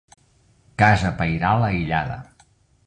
Casa pairal aïllada.